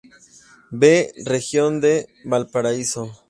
V región de Valparaíso.